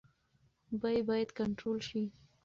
بیې باید کنټرول شي.